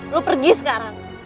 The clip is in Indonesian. lo pergi sekarang